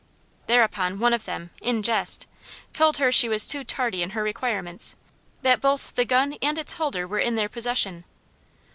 Thereupon one of them, in jest, told her she was too tardy in her requirements; that both the gun and its holder were in their possession.